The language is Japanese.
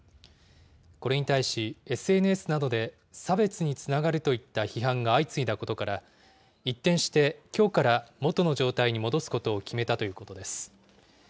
これに対し、ＳＮＳなどで差別につながるといった批判が相次いだことから、一転して、きょうから元の状態に戻すことを決めたということです。